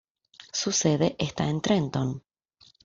Su sede está en Trenton.